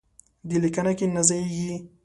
دې لیکنه کې نه ځایېږي.